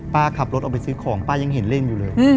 ขับรถออกไปซื้อของป้ายังเห็นเล่นอยู่เลย